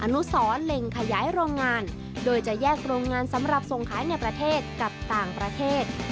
อนุสรเล็งขยายโรงงานโดยจะแยกโรงงานสำหรับส่งขายในประเทศกับต่างประเทศ